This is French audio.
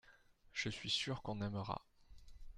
je suis sûr qu'on aimera.